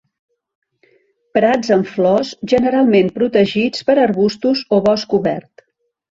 Prats amb flors, generalment protegits per arbustos o bosc obert.